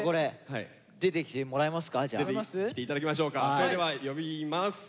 それでは呼びます。